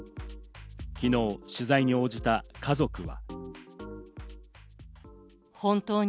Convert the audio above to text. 昨日、取材に応じた家族は。